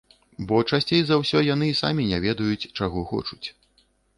Бо часцей за ўсё яны і самі не ведаюць, чаго хочуць.